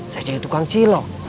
saya jadi tukang cilok